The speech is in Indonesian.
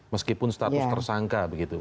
meskipun status tersangka begitu